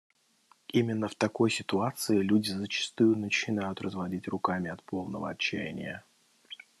Именно в такой ситуации люди зачастую начинают разводить руками от полного отчаяния.